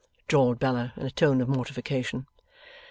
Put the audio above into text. drawled Bella, in a tone of mortification.